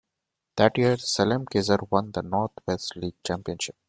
That year, Salem-Keizer won the Northwest League championship.